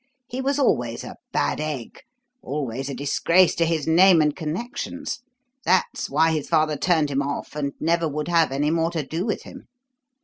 He was always a bad egg always a disgrace to his name and connections. That's why his father turned him off and never would have any more to do with him.